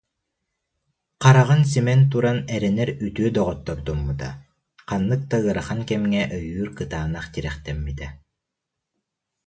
Хараҕын симэн туран эрэнэр үтүө доҕоттордоммута, ханнык да ыарахан кэмҥэ өйүүр кытаанах тирэхтэммитэ